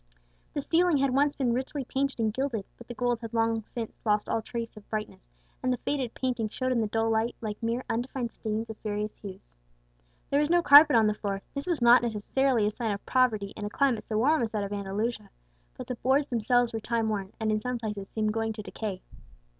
The ceiling had once been richly painted and gilded; but the gold had long since lost all trace of brightness, and the faded painting showed in the dull light like mere undefined stains of various hues. There was no carpet on the floor; this was not necessarily a sign of poverty in a climate so warm as that of Andalusia, but the boards themselves were time worn, and in some places seemed going to decay.